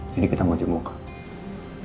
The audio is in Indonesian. jadi kita mau jemput